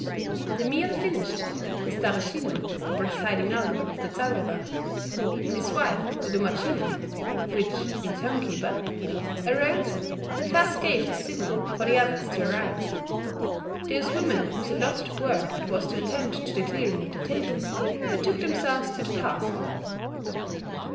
The meal finished, the Stareshina (the presiding elder of the Zadruga) and his wife, the Domatchina (which means homekeeper), arose and thus gave the signal for the others to arise. Those women whose allotted work it was to attend to the clearing of the table, betook themselves to the task.